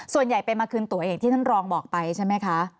ส่วนใหญ่ไปมาคืนตัวเองที่ท่านรองบอกไปใช่ไหมคะ